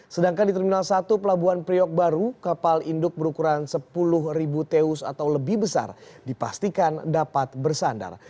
sedangkan di terminal satu pelabuhan priok baru kapal induk berukuran sepuluh ribu teus atau lebih besar dipastikan dapat bersandar